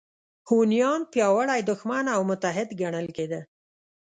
هونیان پیاوړی دښمن او متحد ګڼل کېده